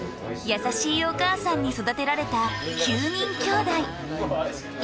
優しいお母さんに育てられた９人きょうだい。